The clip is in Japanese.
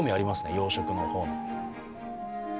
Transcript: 養殖の方も。